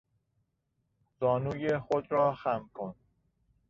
زانوی خود را خم کن.